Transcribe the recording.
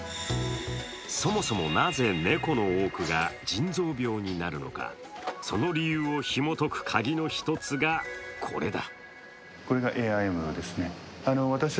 そもそもなぜ猫の多くが腎臓病になるのか、その理由をひもとくカギの一つがこれだ。